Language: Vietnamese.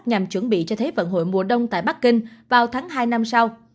nhằm chuẩn bị cho thế vận hội mùa đông tại bắc kinh vào tháng hai năm sau